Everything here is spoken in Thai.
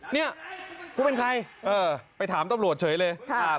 เนี่ยกูเป็นใครไปถามตำรวจเฉยเลย